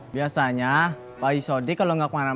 biasanya pak haji sodik kalau gak kemana mana